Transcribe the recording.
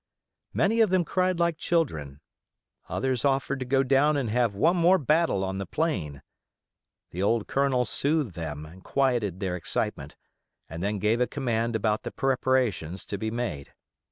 Many of them cried like children; others offered to go down and have one more battle on the plain. The old Colonel soothed them, and quieted their excitement, and then gave a command about the preparations to be made.